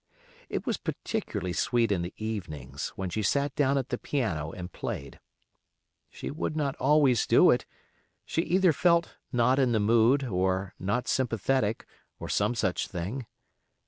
It was particularly sweet in the evenings, when she sat down at the piano and played. She would not always do it; she either felt "not in the mood", or "not sympathetic", or some such thing.